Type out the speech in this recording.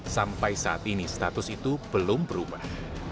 sampai saat ini status itu belum berubah